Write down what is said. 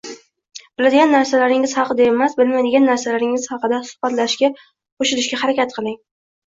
Biladigan narsalaringiz haqida emas, bilmaydigan narsalaringiz haqidagi suhbatlarga qo’shilishga harakat qiling